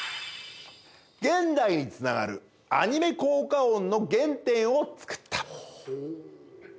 現代につながるアニメ効果音の原点を作った。